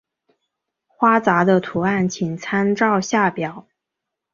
花札的图案请参照下表。